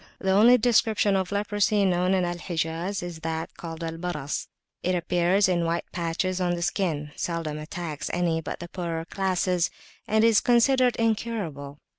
The only description of leprosy known in Al Hijaz is that called "Al Baras": it appears in white patches on the skin, seldom attacks any but the poorer classes, and is considered incurable.